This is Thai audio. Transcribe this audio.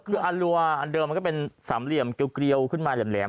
คืออันรัวอันเดิมมันก็เป็นสามเหลี่ยมเกลียวขึ้นมาแหลม